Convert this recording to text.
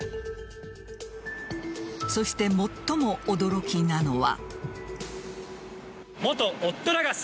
そして、最も驚きなのは。